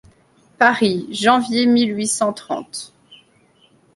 Paris, janvier mille huit cent trente.